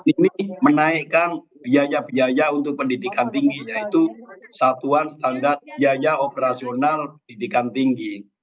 ini menaikkan biaya biaya untuk pendidikan tinggi yaitu satuan standar biaya operasional pendidikan tinggi